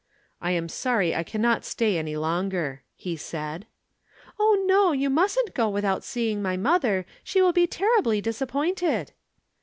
"I am sorry I cannot stay any longer," he said. "Oh, no! You mustn't go without seeing my mother. She will be terribly disappointed."